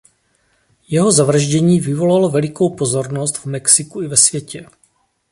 Jeho zavraždění vyvolalo velikou pozornost v Mexiku i ve světě.